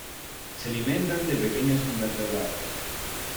Se alimentan de pequeños invertebrados.